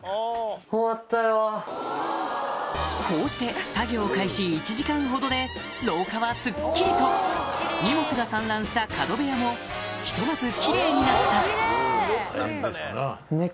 こうして作業開始１時間ほどで廊下はスッキリと荷物が散乱した角部屋もひとまずキレイになったハハハ。